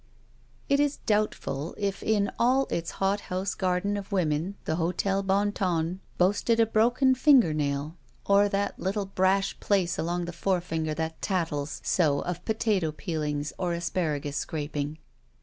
It is doubtf til if in all its hothouse garden of women the Hotel Bon Ton boasted a broken finger nail or that little brash place along the forefinger that tattles so of potato peeling or asparagus scraping.